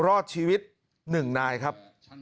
รอดชีวิต๑นายครับ